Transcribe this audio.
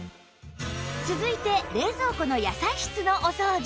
続いて冷蔵庫の野菜室のお掃除